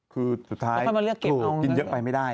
คือสุดท้ายถูกกินเยอะไปไม่ได้